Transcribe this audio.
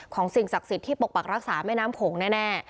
สิ่งศักดิ์สิทธิ์ที่ปกปักรักษาแม่น้ำโขงแน่